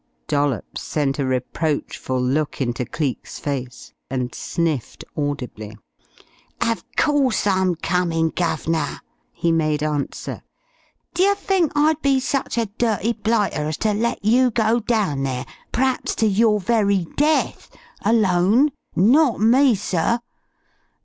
Dollops sent a reproachful look into Cleek's face and sniffed audibly. "Of course I'm comin', guv'nor," he made answer. "D'yer think I'd be such a dirty blighter as ter let you go dahn there p'raps ter your very death alone? Not me, sir.